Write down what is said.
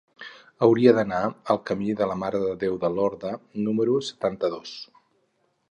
Hauria d'anar al camí de la Mare de Déu de Lorda número setanta-dos.